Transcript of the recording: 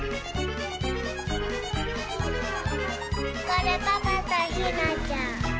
これパパとひなちゃん。